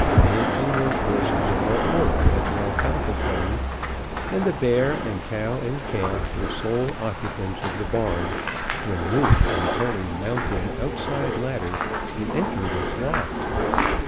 Men and work horses were at work at the alfalfa cutting, and the bear and cow and calf were sole occupants of the barn when Rufe and Perry mounted an outside ladder and entered its loft.